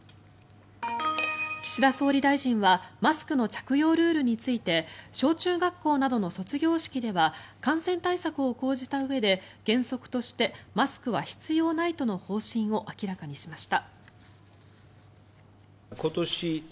岸田総理大臣はマスクの着用ルールについて小中学校などの卒業式では感染対策を講じたうえで原則としてマスクは必要ないとの方針を明らかにしました。